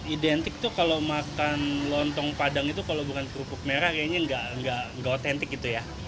identik tuh kalau makan lontong padang itu kalau bukan kerupuk merah kayaknya nggak otentik gitu ya